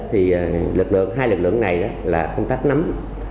thì lực lượng hai lực lượng này là công tác nắm